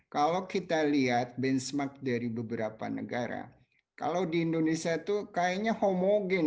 kalau kita lihat benchmark dari beberapa negara kalau di indonesia itu kayaknya homogen